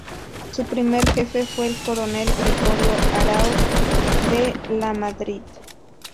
Su primer Jefe fue el coronel Gregorio Aráoz de Lamadrid.